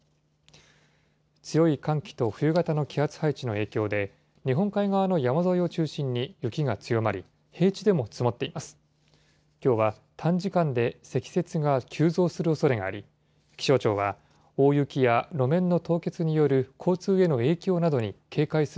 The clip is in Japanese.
強い寒気と冬型の気圧配置の影響で、日本海側の山沿いを中心に雪が強まり、平地でも積もっています。